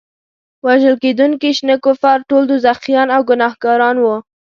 وژل کېدونکي شنه کفار ټول دوزخیان او ګناهګاران وو.